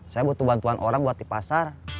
saya butuh bantuan orang buat di pasar